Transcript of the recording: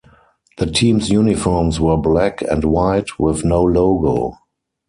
The team's uniforms were black and white, with no logo.